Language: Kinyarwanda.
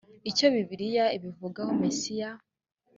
icyo bibiliya ibivugaho mesiya